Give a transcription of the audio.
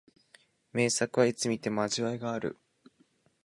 名作はいつ観ても味わいがある